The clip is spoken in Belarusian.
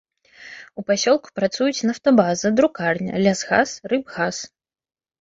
У пасёлку працуюць нафтабаза, друкарня, лясгас, рыбгас.